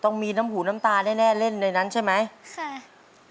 ต้องมีน้ำหูน้ำตาแน่แน่เล่นในนั้นใช่ไหมค่ะ